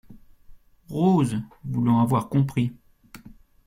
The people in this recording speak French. Rose , voulant avoir compris.